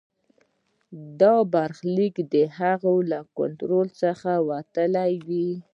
دا برخلیک د هغه له کنټرول څخه وتلی وي.